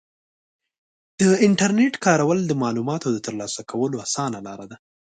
د انټرنیټ کارول د معلوماتو د ترلاسه کولو اسانه لاره ده.